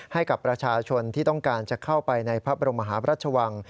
ให้กับประชาชนที่ต้องการจะเข้าไปในพระบรมหาพระราชวัง